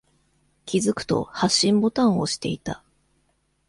気づくと、発信ボタンを押していた。